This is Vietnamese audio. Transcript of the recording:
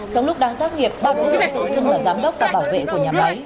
trong lúc đang tác nghiệp bác phóng viên tự xưng là giám đốc và bảo vệ của nhà máy